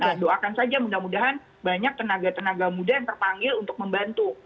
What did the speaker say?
kita doakan saja mudah mudahan banyak tenaga tenaga muda yang terpanggil untuk membantu